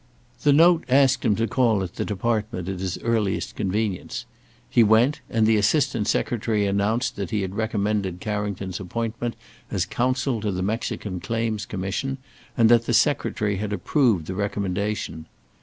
The note asked him to call at the Department at his earliest convenience. He went, and the Assistant Secretary announced that he had recommended Carrington's appointment as counsel to the Mexican claims commission, and that the Secretary had approved the recommendation.